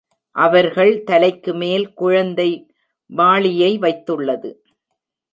அவர்கள் தலைக்கு மேல் குழந்தை வாளியை வைத்துள்ளது.